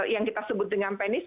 yang kita sebut dengan penis